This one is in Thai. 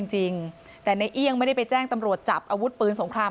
จริงแต่ในเอี่ยงไม่ได้ไปแจ้งตำรวจจับอาวุธปืนสงคราม